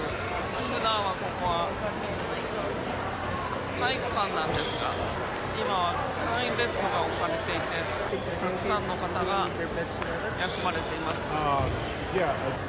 普段は、ここは体育館なんですが今は簡易ベッドが置かれていてたくさんの方が休まれています。